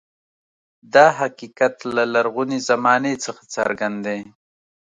دا حقیقت له لرغونې زمانې څخه څرګند دی.